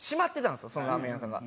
そのラーメン屋さんが。